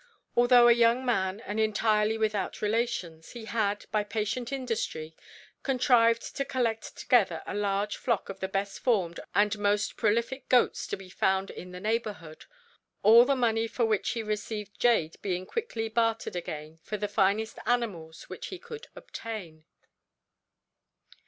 Although a young man and entirely without relations, he had, by patient industry, contrived to collect together a large flock of the best formed and most prolific goats to be found in the neighbourhood, all the money which he received in exchange for jade being quickly bartered again for the finest animals which he could obtain.